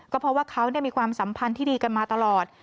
เพราะว่าเขามีความสัมพันธ์ที่ดีกันมาตลอด